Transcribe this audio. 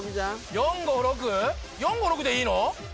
４５６でいい？